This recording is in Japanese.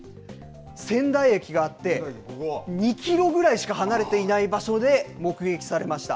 仙台駅があって、２キロぐらいしか離れていない場所で、目撃されました。